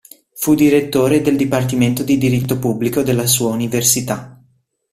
Fu direttore del Dipartimento di Diritto Pubblico della sua Università.